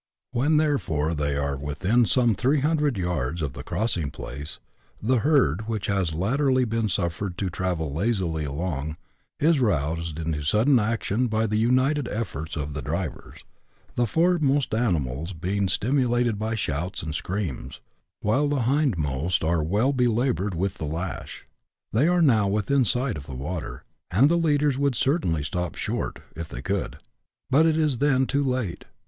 When, therefore, they are within some three hundred yards of the crossing place, the herd, which has latterly been suffered to travel lazily along, is roused into sudden action by the united efforts of the drivers, the foremost animals being stimu lated by shouts and screams, while the hindmost are well be laboured with the lash. They are now within sight of the water, and the leaders would certainly stop short — if they could, but it is then too late.